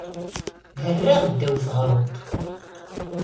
Herraɣ ddaw teɣruḍt.